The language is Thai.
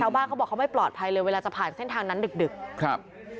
เขาบอกเขาไม่ปลอดภัยเลยเวลาจะผ่านเส้นทางนั้นดึกดึกครับ